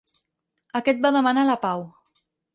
Aquest va demanar la pau.